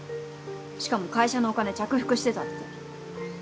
しかも会社のお金着服してたって。